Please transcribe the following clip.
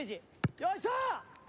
よいしょ！